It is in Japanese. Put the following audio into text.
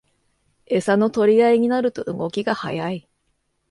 エサの取り合いになると動きが速い